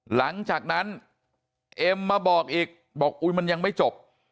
หลังจากนั้นเอ็มมาบอกอีกบอกอุ๊ยมันยังไม่จบ